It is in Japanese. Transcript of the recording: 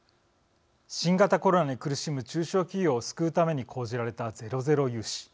新型コロナに苦しむ中小企業を救うために講じられたゼロゼロ融資。